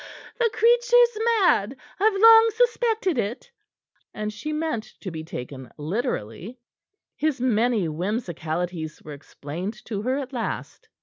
"The creature's mad I've long suspected it." And she meant to be taken literally; his many whimsicalities were explained to her at last.